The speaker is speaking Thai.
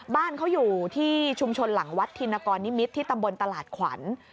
บ้านเขาอยู่ที่ชุมชนหลังวัดธินกรนิมิตรที่ตำบลตลาดขวัญ